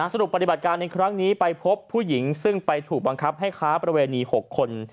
ปฏิบัติการในครั้งนี้ไปพบผู้หญิงซึ่งไปถูกบังคับให้ค้าประเวณี๖คน